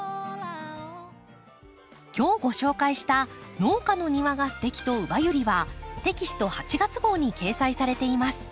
今日ご紹介した「農家の庭がステキ！」と「ウバユリ」はテキスト８月号に掲載されています。